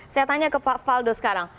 saya tanya ke pak faldo sekarang